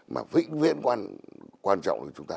mà vĩnh viễn quan trọng đối với chúng ta